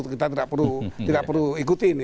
kita tidak perlu ikuti